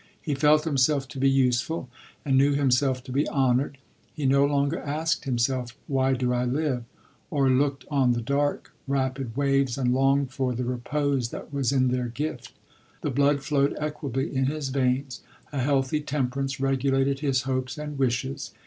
He felt himself to be useful, and knew himself to be honoured. He no longer asked himself, u Why do I live?" or looked on the dark, rapid waves, and longed for the repose that was in their gift The blood flowed equably in his veins; a healthy temperance regulated his hopes and wishes.